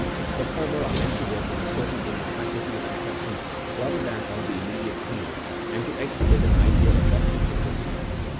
The former are meant to work on a certain inner faculty of conception rather than on the immediate feeling, and to exhibit an idea in lofty sim plicity.